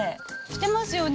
してますよね。